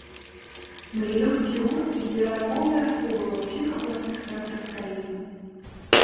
Магілёўскі гурт збірае поўныя клубы ва ўсіх абласных цэнтрах краіны.